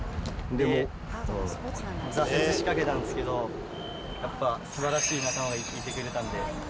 挫折しかけたんですけど、やっぱ、すばらしい仲間がいてくれたんで。